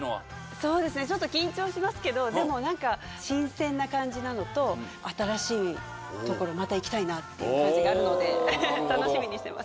そうですねちょっと緊張しますけどでも何か新鮮な感じなのと新しいところまた行きたいなっていう感じがあるので楽しみにしてます。